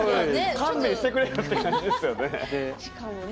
勘弁してくれって感じですよね。